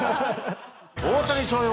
大谷翔平